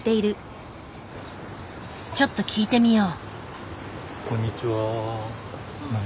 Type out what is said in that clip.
ちょっと聞いてみよう。